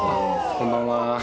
こんばんは。